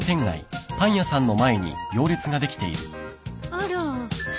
あら。